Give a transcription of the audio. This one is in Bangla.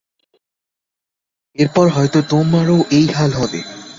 এরপর হয়তো তোমারও এই হাল হবে।